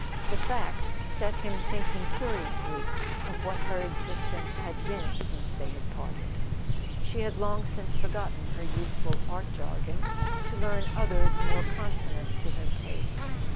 The fact set him thinking curiously of what her existence had been since they had parted. She had long since forgotten her youthful art jargon to learn others more consonant to her tastes.